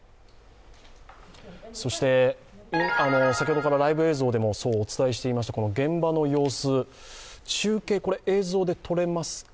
そして、先ほどからライブ映像でもお伝えしていました現場の様子、中継、映像でとれますか。